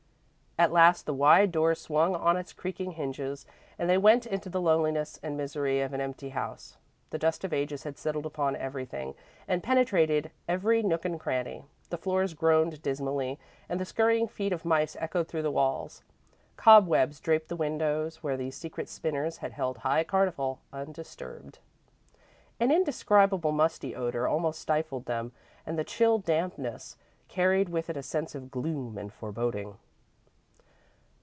At last the wide door swung on its creaking hinges and they went into the loneliness and misery of an empty house. The dust of ages had settled upon everything and penetrated every nook and cranny. The floors groaned dismally, and the scurrying feet of mice echoed through the walls. Cobwebs draped the windows, where the secret spinners had held high carnival, undisturbed. An indescribable musty odour almost stifled them and the chill dampness carried with it a sense of gloom and foreboding.